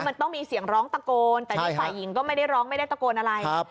มันต้องมีเสียงร้องตะโกนแต่นี่ฝ่ายหญิงก็ไม่ได้ร้องไม่ได้ตะโกนอะไร